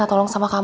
ada orang di depan